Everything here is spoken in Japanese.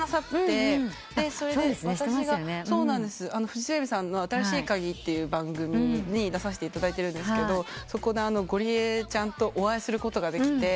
フジテレビさんの『新しいカギ』って番組に出させていただいてるんですがそこでゴリエちゃんとお会いすることができて。